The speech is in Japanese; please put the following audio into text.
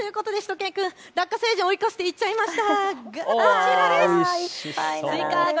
しゅと犬くん、ラッカ星人を追い越して行っちゃいました。